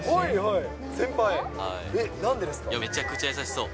めちゃくちゃ優しそう。